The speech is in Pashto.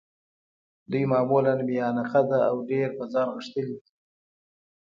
دوی معمولاً میانه قده او ډېر په ځان غښتلي دي.